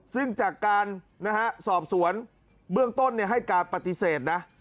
ซึ่งจากการสอบสวนเบื้องต้นให้การปฏิเสธนะ